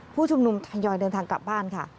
ผู้ชุมนุมทยอยเดินทางกลับบ้านค่ะ